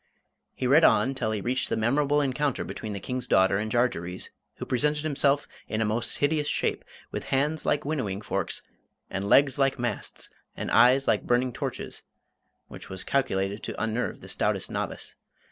He read on till he reached the memorable encounter between the King's daughter and Jarjarees, who presented himself "in a most hideous shape, with hands like winnowing forks, and legs like masts, and eyes like burning torches" which was calculated to unnerve the stoutest novice.